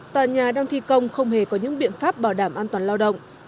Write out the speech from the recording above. tòa nhà đang thi công không hề có những biện pháp bảo đảm an toàn lao động